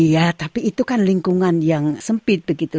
iya tapi itu kan lingkungan yang sempit begitu